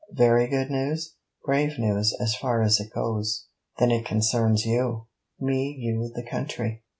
'Very good news?' 'Brave news, as far as it goes.' 'Then it concerns you!' 'Me, you, the country.'